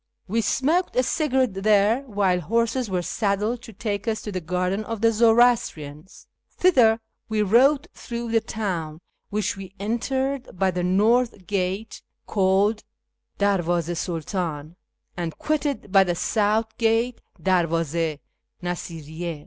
We smoked a cigarette there, while horses were saddled to take us to the garden of the Zoroastrians. Thither we rode through the town, which we entered by the north gate (called Dcrivdz6 i Sidtdni) and quitted by the south gate {Derwdz6 i Ndsiriyy6).